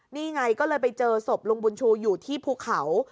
นี่ไงก็เลยไปเจอศพลุงบุญชูอยู่ที่ภูเขา